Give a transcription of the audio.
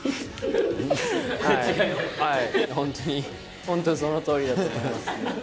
本当に本当にそのとおりだと思います。